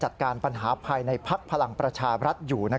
จัดการปัญหาภายในภักดิ์พลังประชาบรัฐอยู่